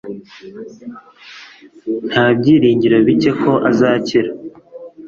Nta byiringiro bike ko azakira